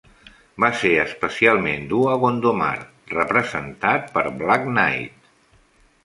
Va ser especialment dur a Gondomar, representat per Black Knight.